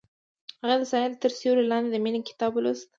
هغې د ساحل تر سیوري لاندې د مینې کتاب ولوست.